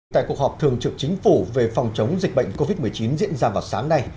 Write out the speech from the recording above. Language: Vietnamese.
tại cuộc họp thường trực chính phủ về phòng chống dịch bệnh covid một mươi chín diễn ra vào sáng nay